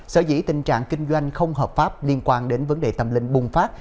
sở dĩ tình trạng kinh doanh không hợp pháp liên quan đến vấn đề tâm linh bùng phát